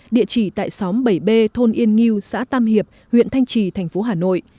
địa chỉ tại xóm bảy b thôn yên nghiêu xã tam hiệp huyện thanh trì thành phố hà nội